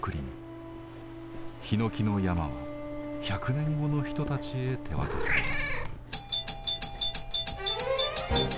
ひのきの山は１００年後の人たちへ手渡されます。